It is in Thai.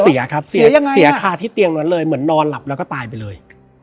เสียครับเสียคาที่เตียงตรงนั้นเลยเหมือนนอนหลับแล้วก็ตายไปเลย